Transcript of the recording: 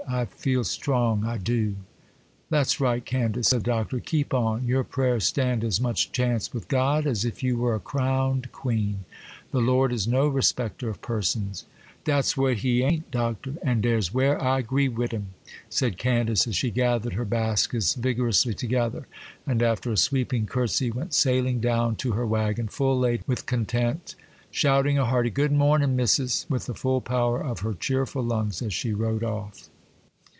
I feels strong, I do.' 'That's right, Candace,' said the Doctor, 'keep on; your prayers stand as much chance with God as if you were a crowned queen. The Lord is no respecter of persons.' 'Dat's what he a'n't, Doctor,—an' dere's where I 'gree wid him,' said Candace, as she gathered her baskets vigorously together, and, after a sweeping curtsy, went sailing down to her waggon, full laden with content, shouting a hearty 'Good mornin', Missus,' with the full power of her cheerful lungs, as she rode off.